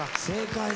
正解！